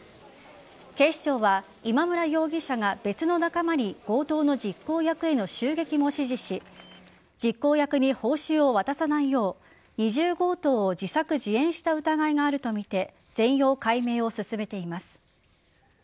警視庁は今村容疑者が別の仲間に強盗の実行役への襲撃も指示し実行役に報酬を渡さないよう二重強盗を自作自演した疑いがあるとみて全容解明を進めています。